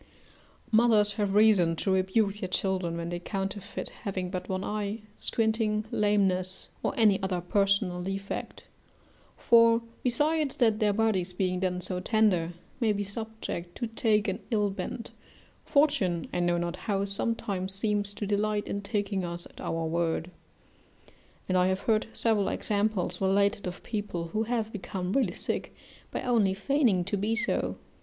Mothers have reason to rebuke their children when they counterfeit having but one eye, squinting, lameness, or any other personal defect; for, besides that their bodies being then so tender, may be subject to take an ill bent, fortune, I know not how, sometimes seems to delight in taking us at our word; and I have heard several examples related of people who have become really sick, by only feigning to be so.